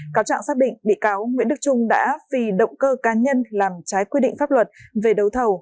cáo trạng xác định bị cáo nguyễn đức trung đã vì động cơ cá nhân làm trái quy định pháp luật về đấu thầu